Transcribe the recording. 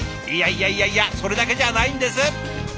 いやいやいやいやそれだけじゃないんです！